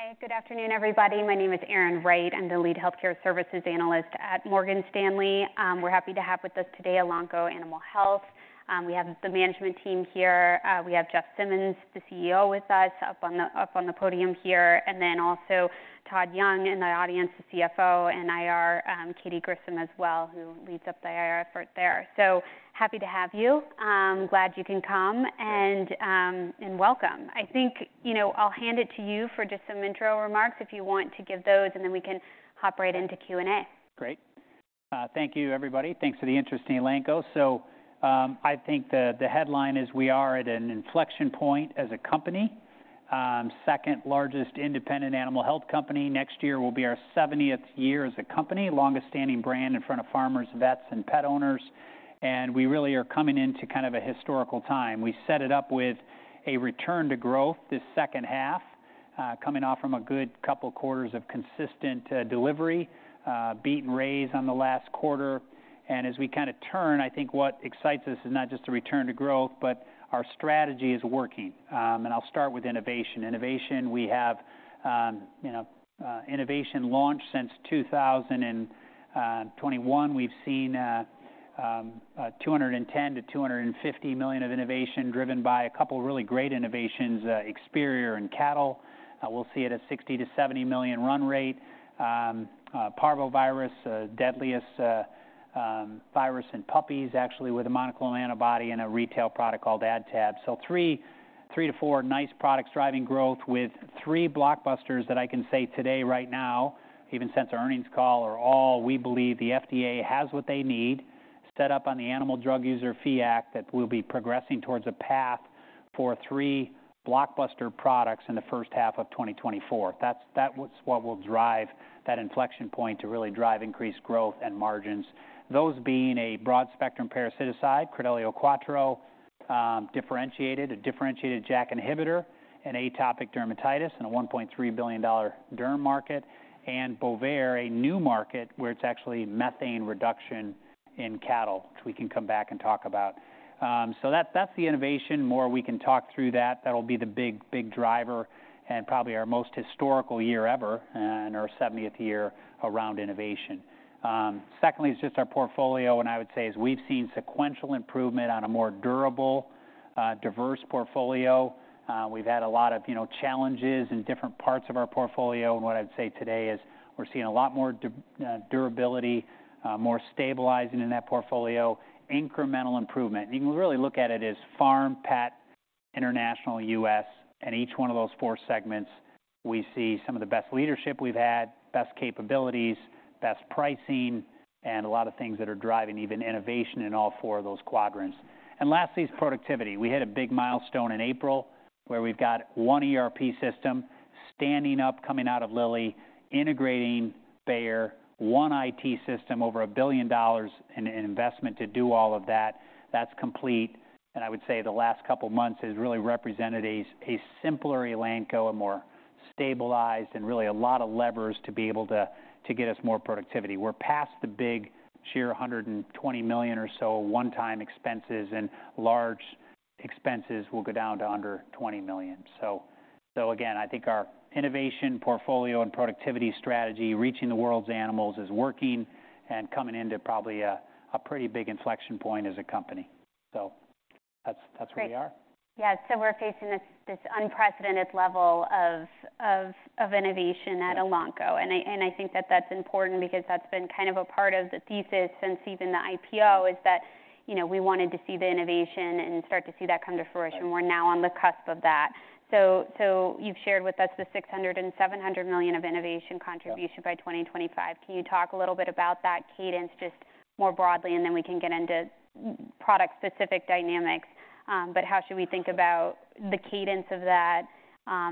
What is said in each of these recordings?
Hey, good afternoon, everybody. My name is Erin Wright. I'm the lead healthcare services analyst at Morgan Stanley. We're happy to have with us today Elanco Animal Health. We have the management team here. We have Jeff Simmons, the CEO, with us up on the podium here, and then also Todd Young in the audience, the CFO, and IR, Katy Grissom as well, who leads up the IR effort there. So happy to have you. Glad you can come, and welcome. I think, you know, I'll hand it to you for just some intro remarks if you want to give those, and then we can hop right into Q&A. Great. Thank you, everybody. Thanks for the interest in Elanco. So, I think the headline is we are at an inflection point as a company, second largest independent animal health company. Next year will be our 70th year as a company, longest-standing brand in front of farmers, vets, and pet owners, and we really are coming into kind of a historical time. We set it up with a return to growth this second half, coming off from a good couple quarters of consistent delivery, beat and raise on the last quarter. As we kind of turn, I think what excites us is not just a return to growth, but our strategy is working. And I'll start with innovation. Innovation, we have, you know, innovation launched since 2021. We've seen $210 million-$250 million of innovation driven by a couple really great innovations, Experior in cattle. We'll see it at $60 million-$70 million run rate. Parvovirus, deadliest virus in puppies, actually with a monoclonal antibody and a retail product called AdTab. So three to four nice products driving growth with three blockbusters that I can say today, right now, even since our earnings call, are all we believe the FDA has what they need, set up on the Animal Drug User Fee Act, that we'll be progressing towards a path for three blockbuster products in the first half of 2024. That's what will drive that inflection point to really drive increased growth and margins. Those being a broad-spectrum parasiticide, Credelio Quattro, differentiated, a differentiated JAK inhibitor, an atopic dermatitis in a $1.3 billion derm market, and Bovaer, a new market, where it's actually methane reduction in cattle, which we can come back and talk about. So that's, that's the innovation. More we can talk through that. That'll be the big, big driver and probably our most historical year ever and our seventieth year around innovation. Secondly is just our portfolio, and I would say is we've seen sequential improvement on a more durable, diverse portfolio. We've had a lot of, you know, challenges in different parts of our portfolio, and what I'd say today is we're seeing a lot more durability, more stabilizing in that portfolio, incremental improvement. You can really look at it as farm, pet, international, US, and each one of those four segments, we see some of the best leadership we've had, best capabilities, best pricing, and a lot of things that are driving even innovation in all four of those quadrants. Lastly is productivity. We hit a big milestone in April, where we've got one ERP system standing up, coming out of Lilly, integrating Bayer, one IT system, over $1 billion in investment to do all of that. That's complete, and I would say the last couple of months has really represented a simpler Elanco, a more stabilized, and really a lot of levers to be able to get us more productivity. We're past the big $120 million or so one-time expenses, and large expenses will go down to under $20 million. So again, I think our innovation, portfolio, and productivity strategy, reaching the world's animals, is working and coming into probably a pretty big inflection point as a company. So that's where we are. Great. Yeah, so we're facing this unprecedented level of innovation at Elanco. I think that that's important because that's been kind of a part of the thesis since even the IPO is that, you know, we wanted to see the innovation and start to see that come to fruition. We're now on the cusp of that. So you've shared with us the $600 million-$700 million of innovation contribution by 2025. Can you talk a little bit about that cadence just more broadly, and then we can get into product-specific dynamics? But how should we think about the cadence of that?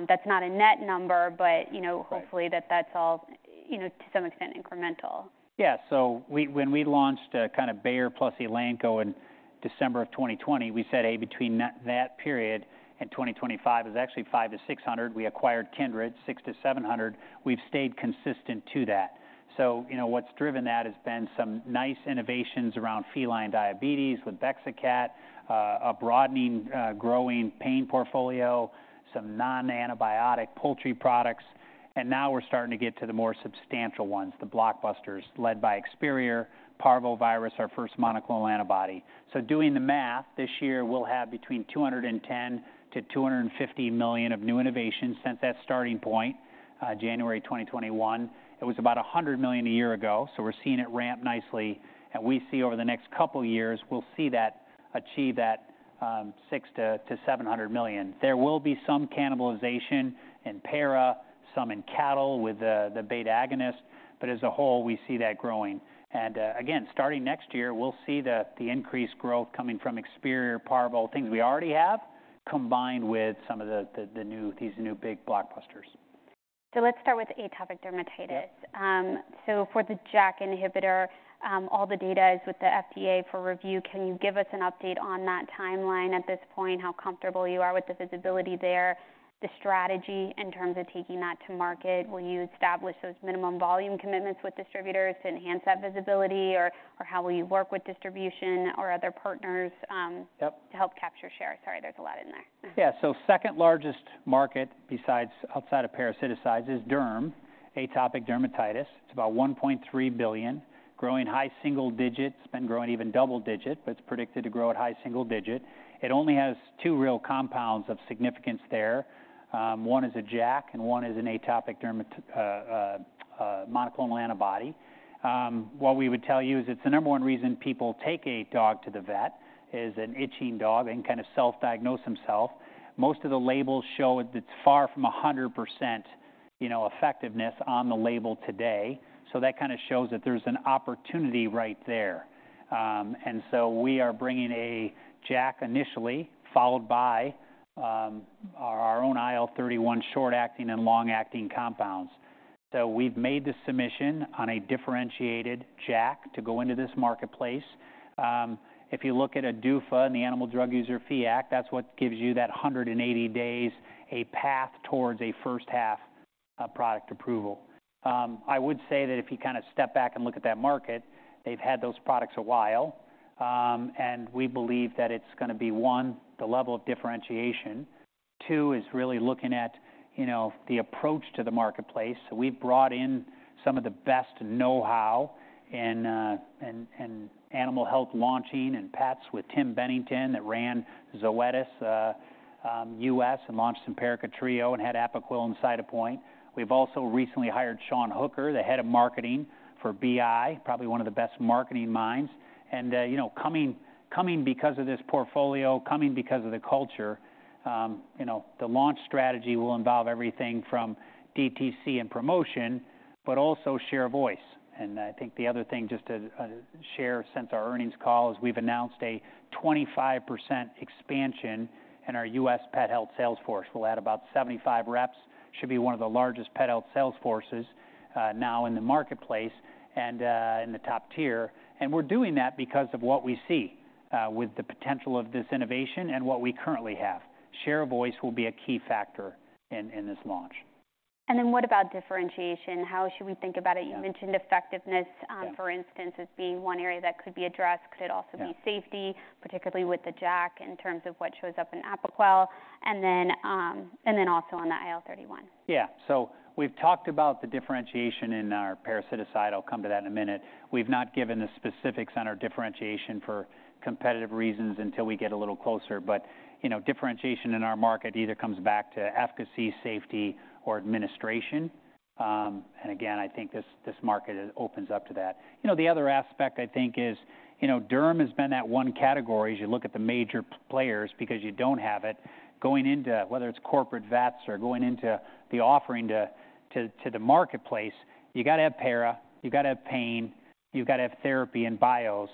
That's not a net number, but, you know hopefully that that's all, you know, to some extent, incremental. Yeah. So we, when we launched a kind of Bayer plus Elanco in December of 2020, we said, between that period and 2025 is actually $500 million-$600 million. We acquired Kindred, $600 million-$700 million. We've stayed consistent to that. So, you know, what's driven that has been some nice innovations around feline diabetes with Bexacat, a broadening, growing pain portfolio, some non-antibiotic poultry products. And now we're starting to get to the more substantial ones, the blockbusters, led by Experior, Parvovirus, our first monoclonal antibody. So doing the math, this year we'll have between $210-$250 million of new innovations since that starting point, January 2021. It was about $100 million a year ago, so we're seeing it ramp nicely. We see over the next couple of years, we'll see that achieve that $600 million-$700 million. There will be some cannibalization in para, some in cattle with the beta agonist, but as a whole, we see that growing. Again, starting next year, we'll see the increased growth coming from Experior, Parvo, things we already have combined with some of the new big blockbusters. Let's start with Atopic Dermatitis. So for the JAK inhibitor, all the data is with the FDA for review. Can you give us an update on that timeline at this point? How comfortable you are with the visibility there, the strategy in terms of taking that to market? Will you establish those minimum volume commitments with distributors to enhance that visibility, or how will you work with distribution or other partners? Yep. to help capture share? Sorry, there's a lot in there. Yeah, so second largest market, besides outside of parasiticides, is derm, atopic dermatitis. It's about $1.3 billion, growing high single digits, been growing even double digit, but it's predicted to grow at high single digit. It only has two real compounds of significance there. One is a JAK and one is an atopic dermatitis monoclonal antibody. What we would tell you is, it's the number one reason people take a dog to the vet, is an itching dog and kind of self-diagnose himself. Most of the labels show it's far from 100%, you know, effectiveness on the label today. So that kind of shows that there's an opportunity right there. And so we are bringing a JAK initially, followed by our own IL-31, short-acting and long-acting compounds. So we've made the submission on a differentiated JAK to go into this marketplace. If you look at ADUFA and the Animal Drug User Fee Act, that's what gives you that 180 days, a path towards a first half product approval. I would say that if you kind of step back and look at that market, they've had those products a while, and we believe that it's gonna be, one, the level of differentiation. Two, is really looking at, you know, the approach to the marketplace. So we've brought in some of the best know-how in animal health launching and pets with Tim Bennington that ran Zoetis US and launched Simparica Trio and had Apoquel and Cytopoint. We've also recently hired Shawn Hooker, the head of marketing for BI, probably one of the best marketing minds. And, you know, coming, coming because of this portfolio, coming because of the culture, you know, the launch strategy will involve everything from DTC and promotion, but also share of voice. And I think the other thing just to share since our earnings call is we've announced a 25% expansion in our U.S. pet health sales force. We'll add about 75 reps, should be one of the largest pet health sales forces now in the marketplace and in the top tier. And we're doing that because of what we see with the potential of this innovation and what we currently have. Share of voice will be a key factor in this launch. What about differentiation? How should we think about it? Yeah. You mentioned effectiveness- Yeah for instance, as being one area that could be addressed. Yeah. Could it also be safety, particularly with the JAK, in terms of what shows up in Apoquel, and then also on the IL-31? Yeah. So we've talked about the differentiation in our parasiticide. I'll come to that in a minute. We've not given the specifics on our differentiation for competitive reasons until we get a little closer, but, you know, differentiation in our market either comes back to efficacy, safety, or administration. And again, I think this market opens up to that. You know, the other aspect I think is, you know, derm has been that one category, as you look at the major players, because you don't have it. Going into whether it's corporate vets or going into the offering to the marketplace, you've got to have para, you've got to have pain, you've got to have therapy and bios,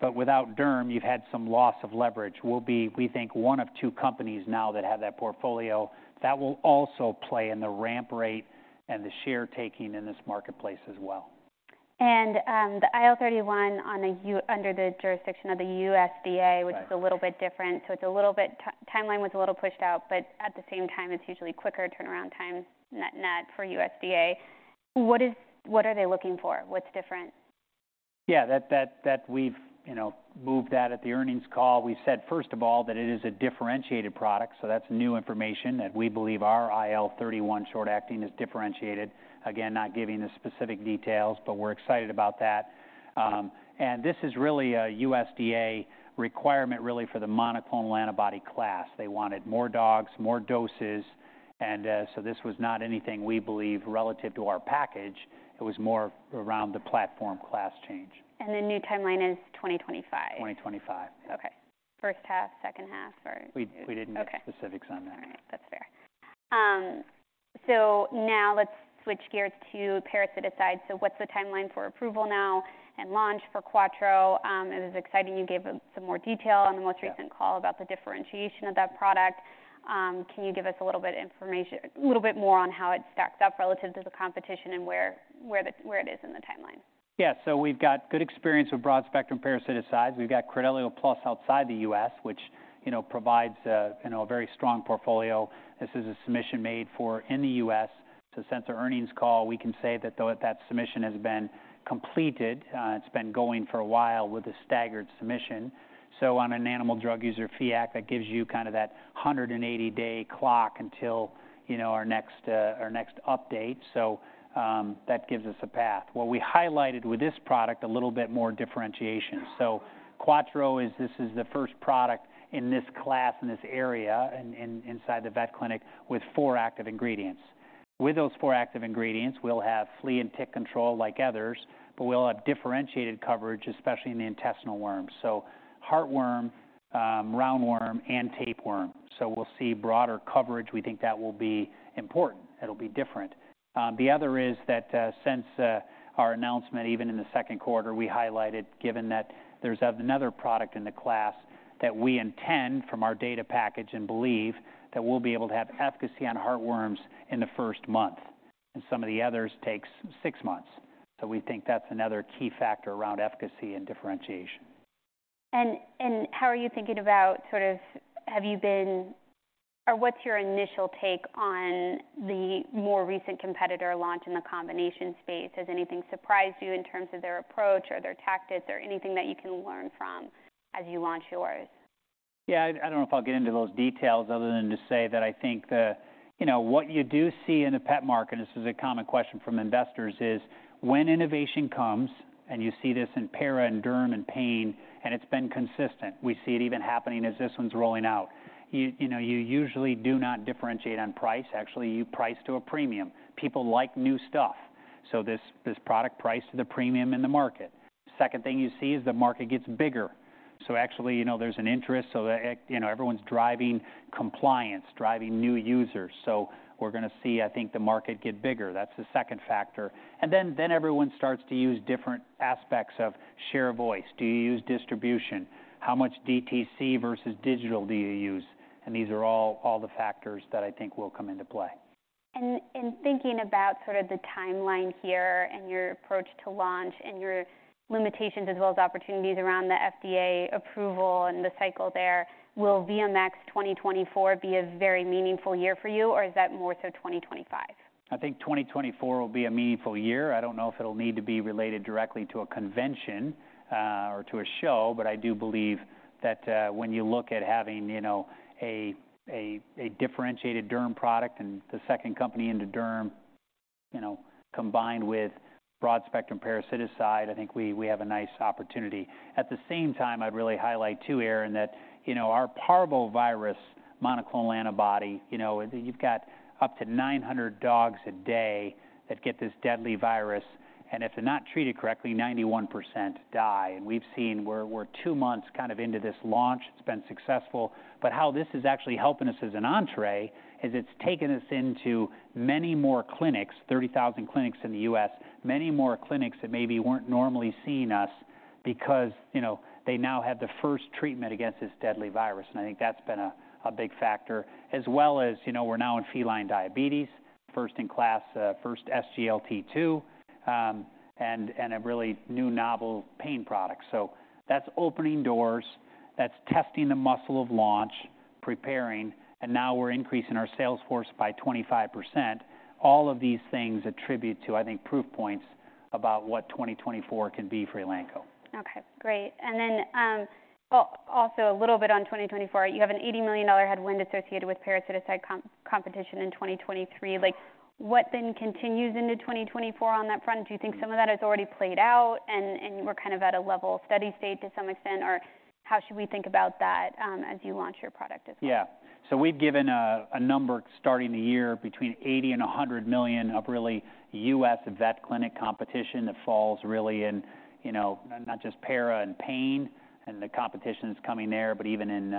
but without derm, you've had some loss of leverage. We'll be, we think, one of two companies now that have that portfolio, that will also play in the ramp rate and the share taking in this marketplace as well. the IL-31 under the jurisdiction of the USDA- Right. -which is a little bit different, so it's a little bit... timeline was a little pushed out, but at the same time, it's usually quicker turnaround times net, net for USDA. What is- what are they looking for? What's different? Yeah, that we've, you know, moved that at the earnings call. We've said, first of all, that it is a differentiated product, so that's new information that we believe our IL-31 short-acting is differentiated. Again, not giving the specific details, but we're excited about that. And this is really a USDA requirement, really for the monoclonal antibody class. They wanted more dogs, more doses, and so this was not anything we believe relative to our package. It was more around the platform class change. The new timeline is 2025? 2025. Okay. First half, second half, or? We didn't- Okay... give specifics on that. All right. That's fair. So now let's switch gears to parasiticides. So what's the timeline for approval now and launch for Quattro? It was exciting you gave us some more detail on the most recent- Yeah ...call about the differentiation of that product. Can you give us a little bit more information on how it stacks up relative to the competition and where it is in the timeline? Yeah. So we've got good experience with broad-spectrum parasiticides. We've got Credelio Plus outside the U.S., which, you know, provides, you know, a very strong portfolio. This is a submission made for in the U.S. So since our earnings call, we can say that, though, that submission has been completed. It's been going for a while with a staggered submission. So on an Animal Drug User Fee Act, that gives you kind of that 180-day clock until, you know, our next, our next update. So, that gives us a path. What we highlighted with this product, a little bit more differentiation. So Quattro is this is the first product in this class, in this area, in, inside the vet clinic with four active ingredients. With those four active ingredients, we'll have flea and tick control like others, but we'll have differentiated coverage, especially in the intestinal worms, so heartworm, roundworm, and tapeworm. So we'll see broader coverage. We think that will be important. It'll be different. The other is that, since our announcement, even in the second quarter, we highlighted, given that there's another product in the class, that we intend from our data package and believe that we'll be able to have efficacy on heartworms in the first month, and some of the others takes six months. So we think that's another key factor around efficacy and differentiation. How are you thinking about sort of, have you been, or what's your initial take on the more recent competitor launch in the combination space? Has anything surprised you in terms of their approach or their tactics or anything that you can learn from as you launch yours? Yeah, I don't know if I'll get into those details other than to say that I think the, you know, what you do see in the pet market, this is a common question from investors, is when innovation comes, and you see this in para and derm and pain, and it's been consistent. We see it even happening as this one's rolling out. You know, you usually do not differentiate on price. Actually, you price to a premium. People like new stuff. So this product priced to the premium in the market. Second thing you see is the market gets bigger. So actually, you know, there's an interest, so, you know, everyone's driving compliance, driving new users. So we're gonna see, I think, the market get bigger. That's the second factor. And then everyone starts to use different aspects of share voice. Do you use distribution? How much DTC versus digital do you use? These are all the factors that I think will come into play. Thinking about sort of the timeline here and your approach to launch and your limitations as well as opportunities around the FDA approval and the cycle there, will VMX 2024 be a very meaningful year for you, or is that more so 2025? I think 2024 will be a meaningful year. I don't know if it'll need to be related directly to a convention, or to a show, but I do believe that, when you look at having, you know, a differentiated derm product and the second company into derm, you know, combined with broad-spectrum parasiticide, I think we have a nice opportunity. At the same time, I'd really highlight too, Erin, that, you know, our parvovirus monoclonal antibody, you know, you've got up to 900 dogs a day that get this deadly virus, and if they're not treated correctly, 91% die. And we've seen we're two months kind of into this launch. It's been successful. But how this is actually helping us as an entree is it's taken us into many more clinics, 30,000 clinics in the U.S., many more clinics that maybe weren't normally seeing us because, you know, they now have the first treatment against this deadly virus. And I think that's been a big factor as well as, you know, we're now in feline diabetes, first-in-class, first SGLT2, and a really new novel pain product. So that's opening doors, that's testing the muscle of launch, preparing, and now we're increasing our sales force by 25%. All of these things attribute to, I think, proof points about what 2024 can be for Elanco. Okay, great. And then, well, also a little bit on 2024. You have an $80 million headwind associated with parasiticide competition in 2023. Like, what then continues into 2024 on that front? Do you think some of that has already played out and, and we're kind of at a level steady state to some extent, or how should we think about that, as you launch your product as well? Yeah. So we've given a number starting the year between $80 million-$100 million of really U.S. vet clinic competition that falls really in, you know, not just para and pain and the competitions coming there, but even in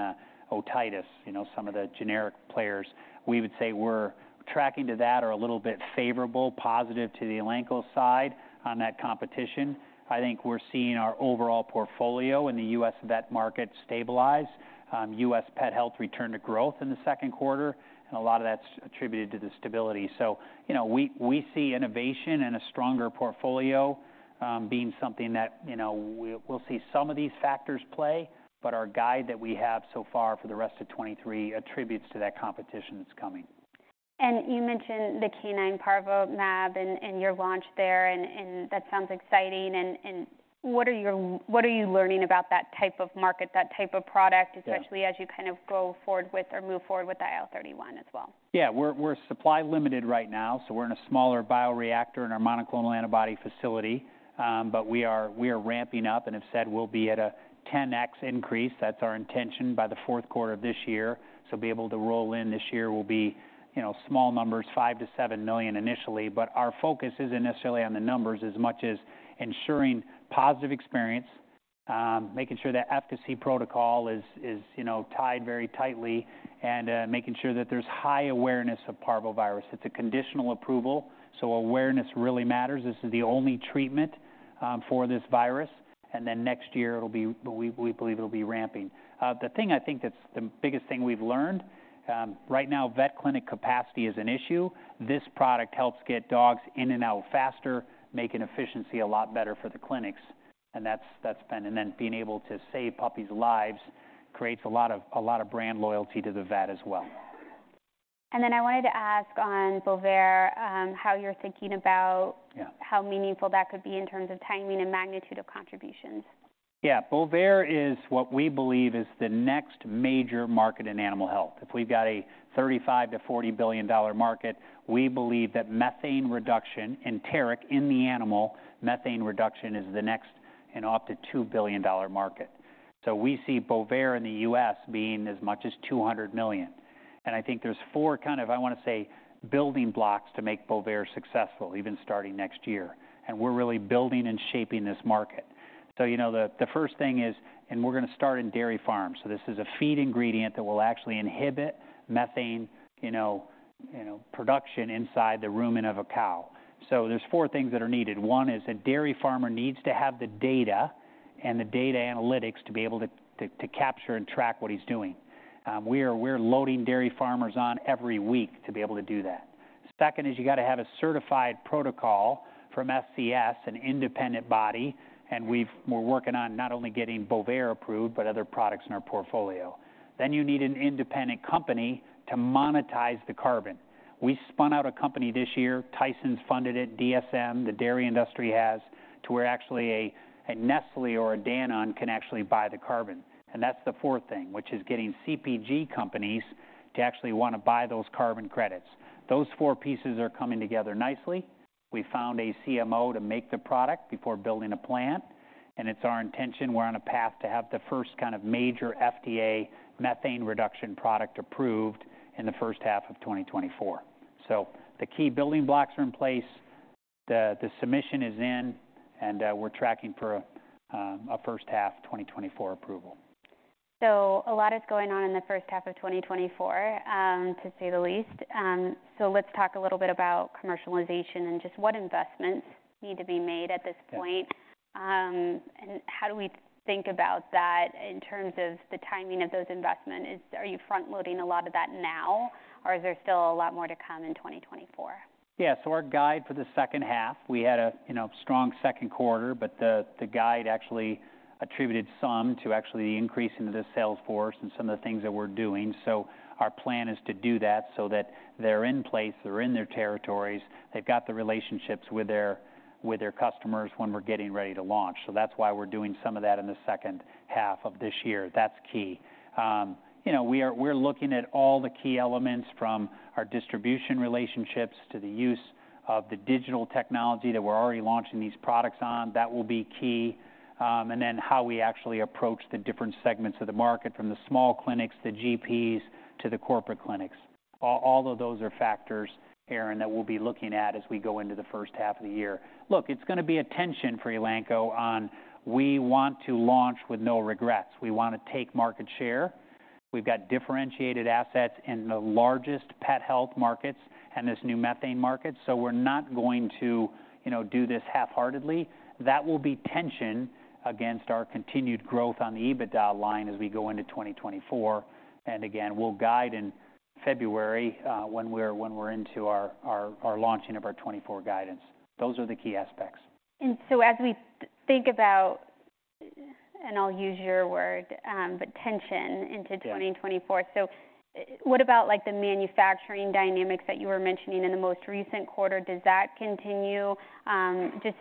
otitis, you know, some of the generic players. We would say we're tracking to that or a little bit favorable, positive to the Elanco side on that competition. I think we're seeing our overall portfolio in the U.S. vet market stabilize, U.S. pet health return to growth in the second quarter, and a lot of that's attributed to the stability. So, you know, we see innovation and a stronger portfolio being something that, you know, we'll see some of these factors play, but our guide that we have so far for the rest of 2023 attributes to that competition that's coming. And you mentioned the canine parvo mAb and your launch there, and that sounds exciting. And what are your-- what are you learning about that type of market, that type of product- Yeah... especially as you kind of go forward with or move forward with IL-31 as well? Yeah, we're supply limited right now, so we're in a smaller bioreactor in our monoclonal antibody facility. But we are ramping up and have said we'll be at a 10x increase, that's our intention, by the fourth quarter of this year. So be able to roll in this year will be, you know, small numbers, $5 million-$7 million initially, but our focus isn't necessarily on the numbers as much as ensuring positive experience, making sure that efficacy protocol is, you know, tied very tightly, and making sure that there's high awareness of parvovirus. It's a conditional approval, so awareness really matters. This is the only treatment for this virus, and then next year, it'll be, we believe it'll be ramping. The thing I think that's the biggest thing we've learned, right now, vet clinic capacity is an issue. This product helps get dogs in and out faster, making efficiency a lot better for the clinics, and that's been... And then being able to save puppies' lives creates a lot of, a lot of brand loyalty to the vet as well. I wanted to ask on Bovaer, how you're thinking about- Yeah... how meaningful that could be in terms of timing and magnitude of contributions. Yeah, Bovaer is what we believe is the next major market in animal health. If we've got a $35 billion-$40 billion market, we believe that methane reduction, enteric in the animal, methane reduction is the next and up to $2 billion market. So we see Bovaer in the U.S. being as much as $200 million. And I think there's four kind of, I wanna say, building blocks to make Bovaer successful, even starting next year, and we're really building and shaping this market. So you know, the first thing is, and we're gonna start in dairy farms. So this is a feed ingredient that will actually inhibit methane, you know, you know, production inside the rumen of a cow.... So there's four things that are needed. One is the dairy farmer needs to have the data and the data analytics to be able to capture and track what he's doing. We're loading dairy farmers on every week to be able to do that. Second is you gotta have a certified protocol from SCS, an independent body, and we're working on not only getting Bovaer approved, but other products in our portfolio. Then you need an independent company to monetize the carbon. We spun out a company this year. Tyson's funded it, DSM, the dairy industry has, to where actually a Nestlé or a Danone can actually buy the carbon. And that's the fourth thing, which is getting CPG companies to actually wanna buy those carbon credits. Those four pieces are coming together nicely. We found a CMO to make the product before building a plant, and it's our intention, we're on a path to have the first kind of major FDA methane reduction product approved in the first half of 2024. So the key building blocks are in place. The submission is in, and we're tracking for a first half 2024 approval. A lot is going on in the first half of 2024, to say the least. Let's talk a little bit about commercialization and just what investments need to be made at this point. Yeah. And how do we think about that in terms of the timing of those investments? Are you front-loading a lot of that now, or is there still a lot more to come in 2024? Yeah. So our guide for the second half, we had a, you know, strong second quarter, but the guide actually attributed some to actually the increase into the sales force and some of the things that we're doing. So our plan is to do that so that they're in place, they're in their territories, they've got the relationships with their customers when we're getting ready to launch. So that's why we're doing some of that in the second half of this year. That's key. You know, we're looking at all the key elements from our distribution relationships to the use of the digital technology that we're already launching these products on. That will be key. And then how we actually approach the different segments of the market, from the small clinics, the GPs, to the corporate clinics. All, all of those are factors, Erin, that we'll be looking at as we go into the first half of the year. Look, it's gonna be a tension for Elanco on we want to launch with no regrets. We wanna take market share. We've got differentiated assets in the largest pet health markets and this new methane market, so we're not going to, you know, do this half-heartedly. That will be tension against our continued growth on the EBITDA line as we go into 2024. And again, we'll guide in February when we're into our launching of our 2024 guidance. Those are the key aspects. As we think about, and I'll use your word, but attention into 2024- Yeah. What about, like, the manufacturing dynamics that you were mentioning in the most recent quarter? Does that continue? Just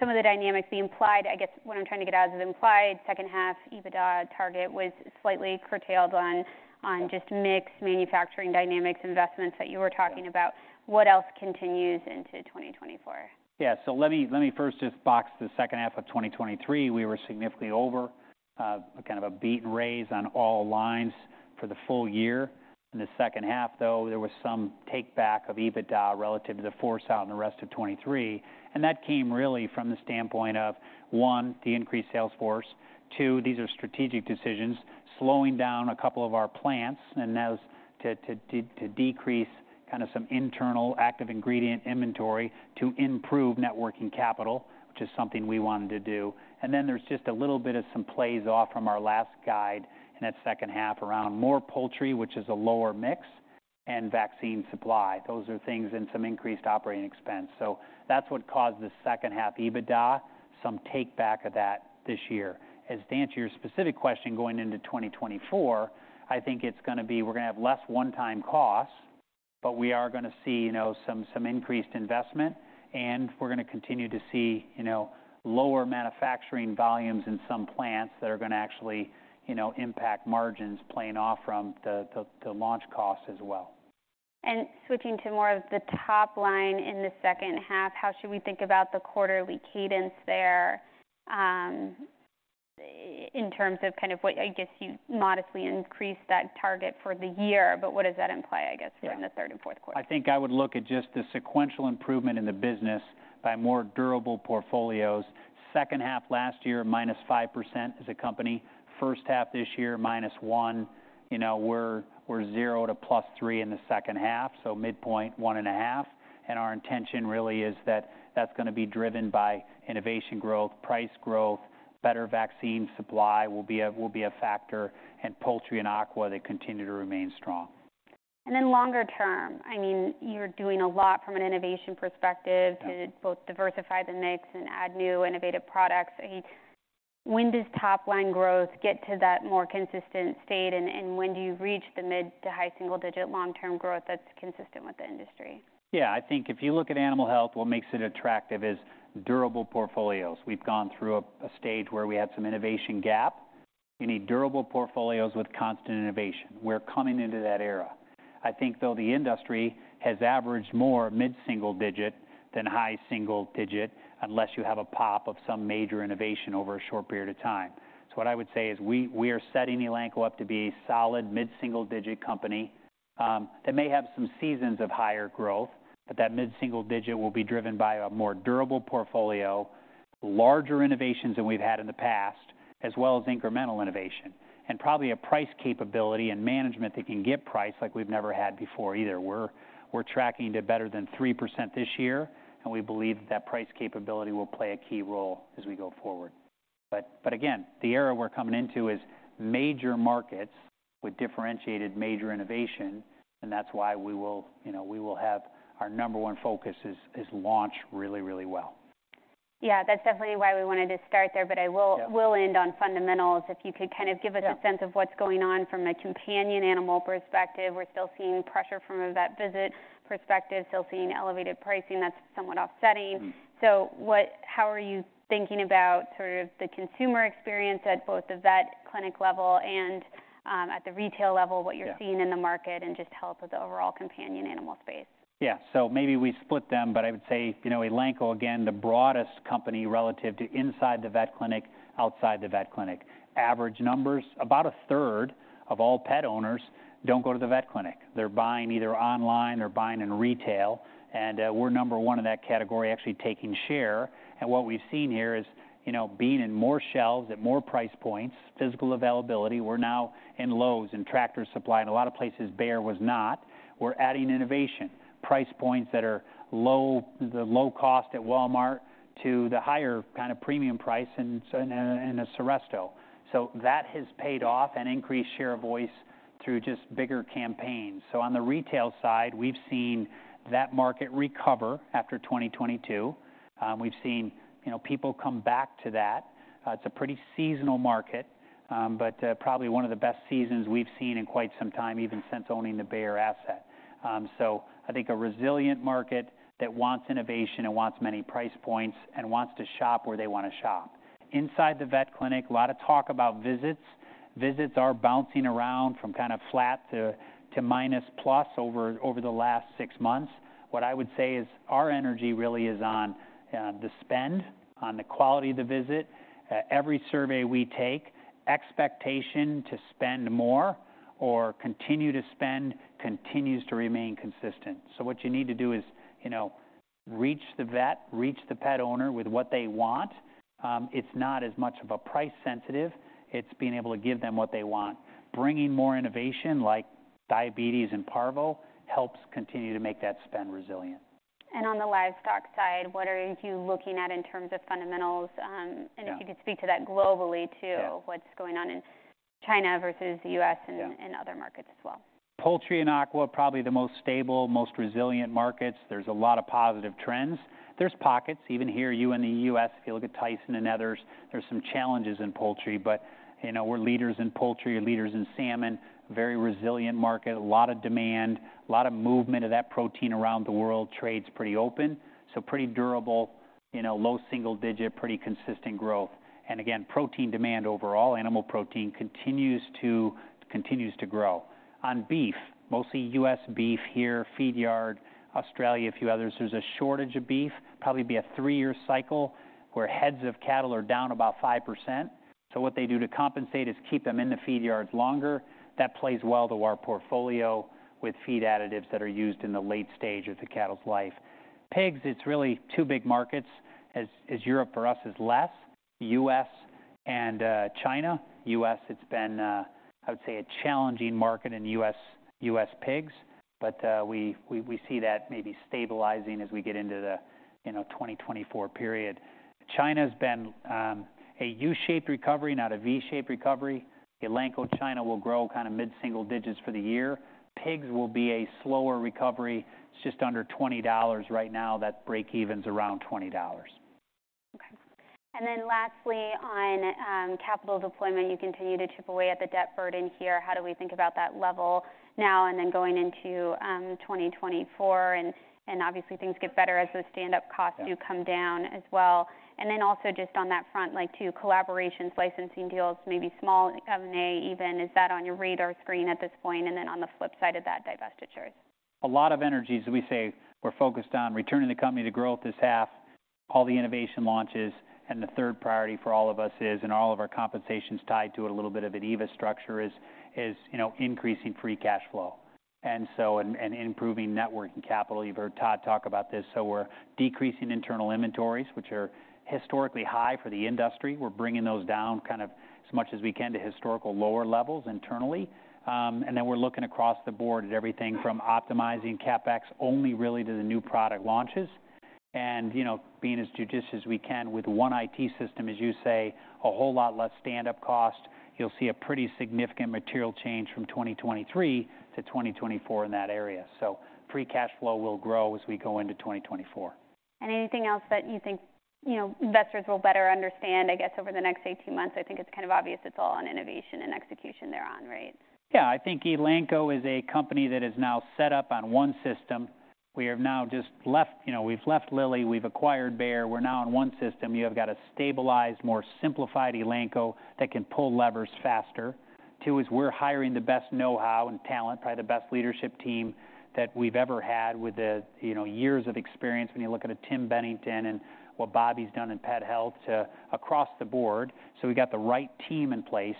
some of the dynamics, the implied... I guess, what I'm trying to get at is the implied second half EBITDA target was slightly curtailed on, on just mix, manufacturing dynamics, investments that you were talking about. Yeah. What else continues into 2024? Yeah. So let me first just box the second half of 2023. We were significantly over kind of a beat and raise on all lines for the full year. In the second half, though, there was some take-back of EBITDA relative to the forecast in the rest of 2023, and that came really from the standpoint of, one, the increased sales force. Two, these are strategic decisions, slowing down a couple of our plants and to decrease kind of some internal active ingredient inventory to improve net working capital, which is something we wanted to do. And then there's just a little bit of some plays off from our last guide in that second half around more poultry, which is a lower mix, and vaccine supply. Those are things and some increased operating expense. So that's what caused the second half EBITDA, some takeback of that this year. As to answer your specific question, going into 2024, I think it's gonna be—we're gonna have less one-time costs, but we are gonna see, you know, some increased investment, and we're gonna continue to see, you know, lower manufacturing volumes in some plants that are gonna actually, you know, impact margins playing off from the launch costs as well. Switching to more of the top line in the second half, how should we think about the quarterly cadence there, in terms of kind of what? I guess you modestly increased that target for the year, but what does that imply, I guess? Yeah for the third and fourth quarter? I think I would look at just the sequential improvement in the business by more durable portfolios. Second half last year, -5% as a company. First half this year, -1%. You know, we're zero to plus three in the second half, so midpoint, 1.5%. And our intention really is that that's gonna be driven by innovation growth, price growth, better vaccine supply will be a factor, and poultry and aqua, they continue to remain strong. And then longer term, I mean, you're doing a lot from an innovation perspective- Yeah -to both diversify the mix and add new innovative products. I mean, when does top-line growth get to that more consistent state, and when do you reach the mid- to high-single-digit long-term growth that's consistent with the industry? Yeah. I think if you look at animal health, what makes it attractive is durable portfolios. We've gone through a stage where we had some innovation gap. You need durable portfolios with constant innovation. We're coming into that era. I think, though, the industry has averaged more mid-single digit than high single digit, unless you have a pop of some major innovation over a short period of time. So what I would say is we are setting Elanco up to be a solid mid-single-digit company, that may have some seasons of higher growth, but that mid-single digit will be driven by a more durable portfolio, larger innovations than we've had in the past, as well as incremental innovation, and probably a price capability and management that can get price like we've never had before either. We're tracking to better than 3% this year, and we believe that price capability will play a key role as we go forward. But again, the era we're coming into is major markets with differentiated major innovation, and that's why we will, you know, have our number one focus is launch really, really well. Yeah, that's definitely why we wanted to start there, but I will- Yeah... Will end on fundamentals. If you could kind of give us- Yeah... a sense of what's going on from a companion animal perspective. We're still seeing pressure from a vet visit perspective, still seeing elevated pricing. That's somewhat offsetting. Mm-hmm. How are you thinking about sort of the consumer experience at both the vet clinic level and at the retail level- Yeah... what you're seeing in the market, and just health of the overall companion animal space? Yeah. So maybe we split them, but I would say, you know, Elanco, again, the broadest company relative to inside the vet clinic, outside the vet clinic. Average numbers, about a third of all pet owners don't go to the vet clinic. They're buying either online or buying in retail, and, we're number one in that category, actually taking share. And what we've seen here is, you know, being in more shelves at more price points, physical availability. We're now in Lowe's and Tractor Supply and a lot of places Bayer was not. We're adding innovation, price points that are low, the low cost at Walmart to the higher kind of premium price in a Seresto. So that has paid off and increased share of voice through just bigger campaigns. So on the retail side, we've seen that market recover after 2022. We've seen, you know, people come back to that. It's a pretty seasonal market, but probably one of the best seasons we've seen in quite some time, even since owning the Bayer asset. So I think a resilient market that wants innovation and wants many price points and wants to shop where they want to shop. Inside the vet clinic, a lot of talk about visits. Visits are bouncing around from kind of flat to minus plus over the last six months. What I would say is our energy really is on the spend, on the quality of the visit. Every survey we take, expectation to spend more or continue to spend continues to remain consistent. So what you need to do is, you know, reach the vet, reach the pet owner with what they want. It's not as much of a price-sensitive issue; it's being able to give them what they want. Bringing more innovation, like diabetes and parvo, helps continue to make that spend resilient. On the livestock side, what are you looking at in terms of fundamentals? Yeah... and if you could speak to that globally, too. Yeah. What's going on in China versus the US? Yeah... and other markets as well? Poultry and aqua, probably the most stable, most resilient markets. There's a lot of positive trends. There's pockets, even here, you in the U.S., if you look at Tyson's and others, there's some challenges in poultry. But, you know, we're leaders in poultry, leaders in salmon, very resilient market, a lot of demand, a lot of movement of that protein around the world. Trade's pretty open, so pretty durable, you know, low single digit, pretty consistent growth. And again, protein demand overall, animal protein continues to, continues to grow. On beef, mostly U.S. beef here, feedyard, Australia, a few others, there's a shortage of beef. Probably be a three-year cycle where heads of cattle are down about 5%. So what they do to compensate is keep them in the feedyards longer. That plays well to our portfolio with feed additives that are used in the late stage of the cattle's life. Pigs, it's really two big markets. As Europe for us is less, U.S. and China. U.S., it's been, I would say, a challenging market in US pigs, but we see that maybe stabilizing as we get into the, you know, 2024 period. China's been a U-shaped recovery, not a V-shaped recovery. Elanco China will grow kind of mid-single digits for the year. Pigs will be a slower recovery. It's just under $20 right now. That break even's around $20. Okay. And then lastly, on capital deployment, you continue to chip away at the debt burden here. How do we think about that level now and then going into 2024? And obviously, things get better as those stand-up costs- Yeah... do come down as well. And then also just on that front, like, two collaborations, licensing deals, maybe small M&A even, is that on your radar screen at this point? And then on the flip side of that, divestitures. A lot of energies, we say we're focused on returning the company to growth this half, all the innovation launches, and the third priority for all of us is, and all of our compensation's tied to a little bit of an EVA structure, you know, increasing free cash flow. And so, improving net working capital. You've heard Todd talk about this, so we're decreasing internal inventories, which are historically high for the industry. We're bringing those down kind of as much as we can to historical lower levels internally. And then we're looking across the board at everything from optimizing CapEx only really to the new product launches. And, you know, being as judicious as we can with one IT system, as you say, a whole lot less stand-up cost. You'll see a pretty significant material change from 2023 to 2024 in that area. So free cash flow will grow as we go into 2024. Anything else that you think, you know, investors will better understand, I guess, over the next 18 months? I think it's kind of obvious it's all on innovation and execution thereon, right? Yeah. I think Elanco is a company that is now set up on one system. We have now just left... You know, we've left Lilly, we've acquired Bayer. We're now on one system. You have got a stabilized, more simplified Elanco that can pull levers faster. Two is we're hiring the best know-how and talent, probably the best leadership team that we've ever had with the, you know, years of experience when you look at Tim Bettington and what Bobby's done in pet health, across the board. So we've got the right team in place,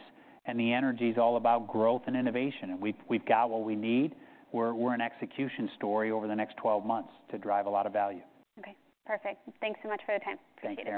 and the energy's all about growth and innovation, and we've, we've got what we need. We're, we're an execution story over the next 12 months to drive a lot of value. Okay, perfect. Thanks so much for your time. Thank you. Appreciate it.